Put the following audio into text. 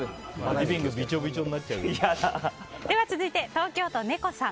続いて、東京都の方。